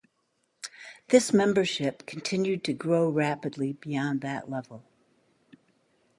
This membership continued to grow rapidly beyond that level.